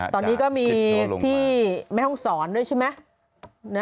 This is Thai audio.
ตอนนี้ก็มีที่แม่ห้องศรด้วยใช่ไหม